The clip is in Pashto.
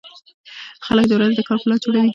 خلک د ورځې د کار پلان جوړوي